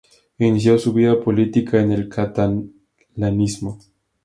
Inició su vida política en el catalanismo.